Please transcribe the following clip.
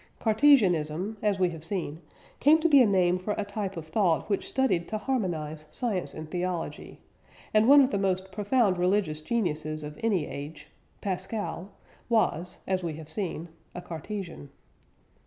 Cartesianism, as we have seen, came to be a name for a type of thought which studied to harmonise science and theology, and one of the most profound religious geniuses of any age Pascal, was (as we have seen) a Cartesian.